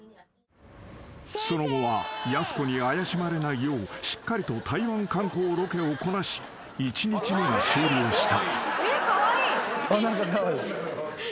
［その後はやす子に怪しまれないようしっかりと台湾観光ロケをこなし１日目が終了した］